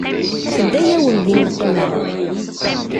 Tedda-yawen di nneqma.